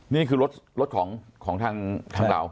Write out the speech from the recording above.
นี่คือรถของทางเรา